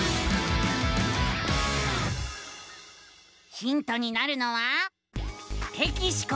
ヒントになるのは「テキシコー」。